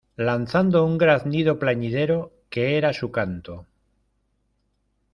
lanzando un graznido plañidero, que era su canto.